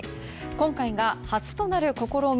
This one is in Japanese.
今回が初となる試み。